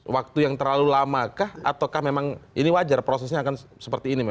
waktu yang terlalu lamakah ataukah memang ini wajar prosesnya akan seperti ini mas